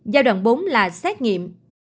giai đoạn bốn là xét nghiệm